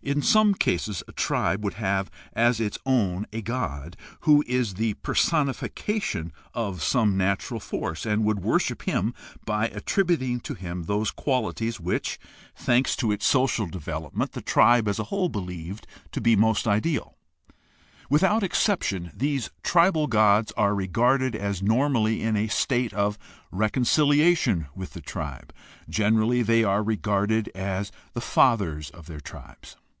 In some cases a tribe would have as its own a god who is the personification of some natural force, and would worship him by attributing to him those quahties which, thanks to its social development, THE HISTORICAL STUDY OF RELIGION 41 the tribe as a whole beheved to be the most ideal. Without exception these tribal gods are regarded as normally in a state of reconciliation with the tribe. Generally they are regarded as the fathers of their tribes.